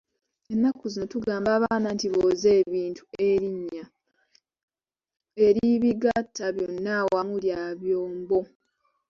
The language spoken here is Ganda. Ennaku zino tugamba abaana nti booze ebintu erinnya, eribigatta byonna awamu lya byombo.